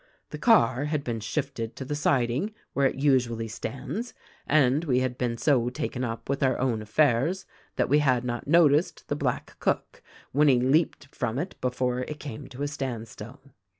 "The car had been shifted to the siding where it usually stands, and we had been so taken up with our own affairs that we had not noticed the black cook when he leaped from it before it came to a standstill.